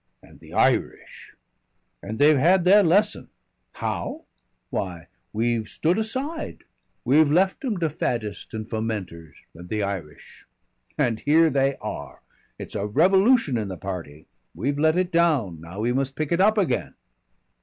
And the Irish. And they've had their lesson. How? Why, we've stood aside. We've left 'em to faddists and fomenters and the Irish. And here they are! It's a revolution in the party. We've let it down. Now we must pick it up again."